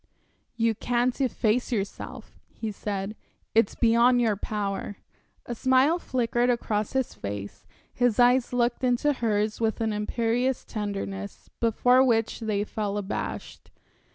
"You can't efface yourself," he said. "It's beyond your power." A smile flickered across his face, his eyes looked into hers with an imperious tenderness, before which they fell abashed.